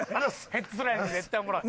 ヘッドスライディング絶対おもろい。